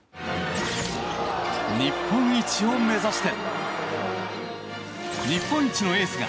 日本一を目指して！